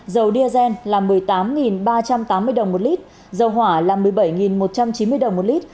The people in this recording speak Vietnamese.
dầu diesel là một mươi tám ba trăm tám mươi đồng một lít dầu hỏa là một mươi bảy một trăm chín mươi đồng một lít